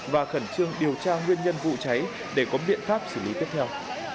và khẩn trương điều tra nguyên nhân vụ cháy để có biện pháp xử lý tiếp theo